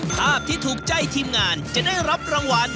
ภาพที่ถูกใจทีมงานจะได้รับรางวัล